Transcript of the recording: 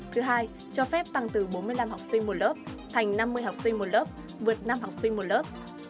thứ hai cho phép tăng từ bốn mươi năm học sinh một lớp thành năm mươi học sinh một lớp vượt năm học sinh một lớp